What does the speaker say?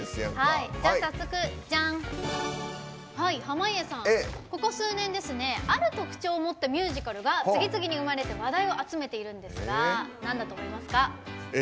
早速、濱家さん、ここ数年ある特徴を持ったミュージカルが次々に生まれて話題を集めているんですがなんだと思いますか？